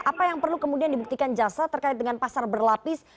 apa yang perlu kemudian dibuktikan jasa terkait dengan pasar berlapis